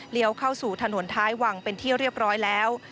เข้าสู่ถนนท้ายวังเป็นที่เรียบร้อยแล้ว